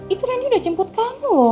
itu rani udah jemput kamu loh